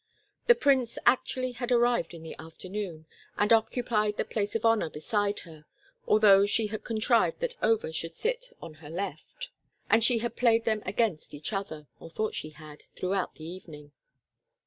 The prince actually had arrived in the afternoon, and occupied the place of honor beside her, although she had contrived that Over should sit on her left; and she had played them against each other—or thought she had—throughout the evening.